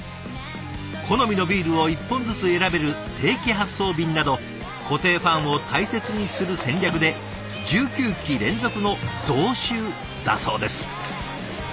好みのビールを１本ずつ選べる定期発送便など固定ファンを大切にする戦略で１９期連続の増収だそうです。